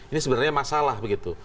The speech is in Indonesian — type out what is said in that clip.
ini sebenarnya masalah begitu